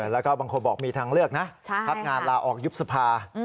แล้วก็บางคนบอกมีทางเลือกนะพักงานลาออกยุบสภา